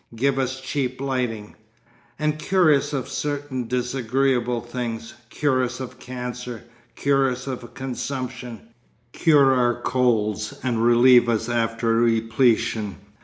Give us cheap lighting. And cure us of certain disagreeable things, cure us of cancer, cure us of consumption, cure our colds and relieve us after repletion...."